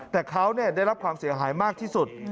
แต่เขาได้รับความเสียหายมากที่สุด